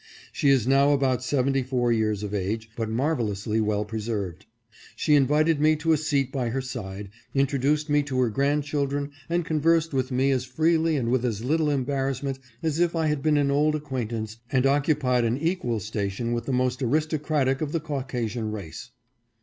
She is now about seventy four years of age but marvelously well preserved. She invited me to a seat by her side, introduced me to her grandchildren and conversed with me as freely and with as little embarrassment as if I had been an old acquaintance and occupied an equal station with the most aristocratic of the Caucasian race.